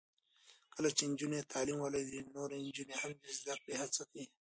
کله چې نجونې تعلیم ولري، نو نورې نجونې هم د زده کړې هڅې کوي.